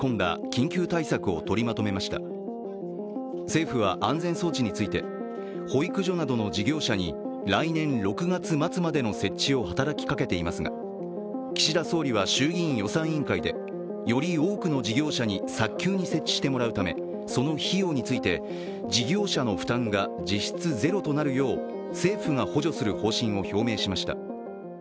政府は安全装置について保育所などの事業者に来年６月末までの設置を働きかけていますが、岸田総理は衆議院予算委員会でより多くの事業者に早急に設置してもらうためその費用について、事業者の負担が実質ゼロとなるよう政府が補助する方針を表明しました。